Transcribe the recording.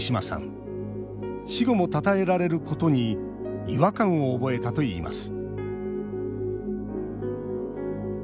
死後もたたえられることに違和感を覚えたといいます